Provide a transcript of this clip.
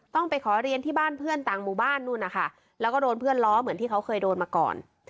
ต้องไปขอเรียนที่บ้านเพื่อนต่างหมู่บ้านนู่นนะคะแล้วก็โดนเพื่อนล้อเหมือนที่เขาเคยโดนมาก่อน